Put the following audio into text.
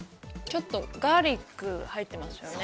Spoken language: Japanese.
ちょっとガーリック入ってますよね。